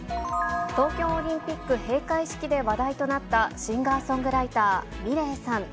東京オリンピック閉会式で話題となったシンガーソングライター、ミレイさん。